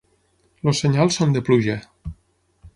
Els senyals són de pluja.